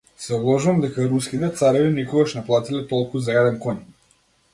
Се обложувам дека Руските цареви никогаш не платиле толку за еден коњ.